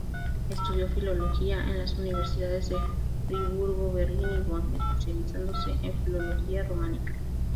Estudió Filología en las universidades de Friburgo, Berlín y Bonn, especializándose en Filología Románica.